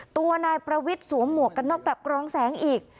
ตัวนายประวิทย์สวมหมวกกันน็อกแบบกรองแสงอีก